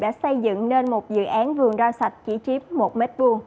đã xây dựng nên một dự án vườn rau sạch chỉ chiếm một m hai